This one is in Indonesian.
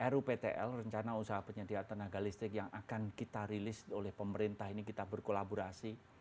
ruptl rencana usaha penyedia tenaga listrik yang akan kita rilis oleh pemerintah ini kita berkolaborasi